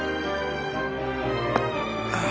ああ。